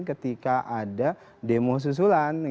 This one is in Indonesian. ketika ada demo susulan